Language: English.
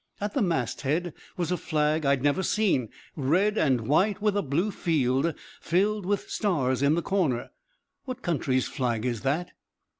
"At the masthead was a flag I'd never seen, red and white with a blue field filled with stars in the corner. What country's flag is that?"